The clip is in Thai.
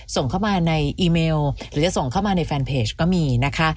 ส่งเข้ามาในอีเมลหรือจะส่งเข้ามาในแฟนเพจก็มีนะคะ